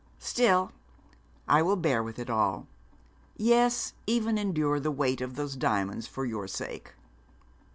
Still, I will bear with it all; yes, even endure the weight of those diamonds for your sake.'